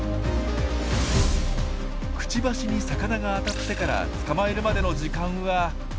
クチバシに魚が当たってから捕まえるまでの時間は。